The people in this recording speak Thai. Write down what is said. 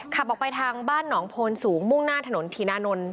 ขับออกไปทางบ้านหนองโพนสูงมุ่งหน้าถนนธีนานนท